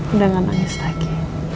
udah gak nangis lagi